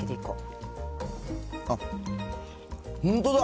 あっ、本当だ。